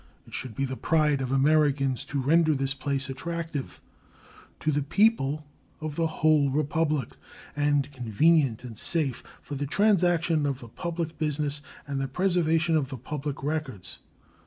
It should be the pride of Americans to render this place attractive to the people of the whole Republic and convenient and safe for the transaction of the public business and the preservation of the public records.